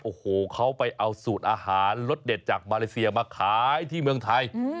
โอ้โหเขาไปเอาสูตรอาหารรสเด็ดจากมาเลเซียมาขายที่เมืองไทย